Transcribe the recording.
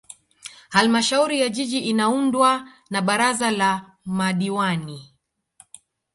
Halmashauri ya Jiji inaundwa na Baraza la Madiwani